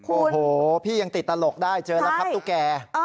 โอ้โหพี่ยังติดตลกได้เจอแล้วครับตุ๊กแก่